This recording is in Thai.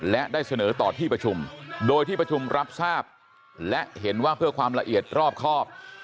และได้เสนอต่อที่ประชุมโดยที่ประชุมรับทราบและเห็นว่าเพื่อความละเอียดรอบครอบ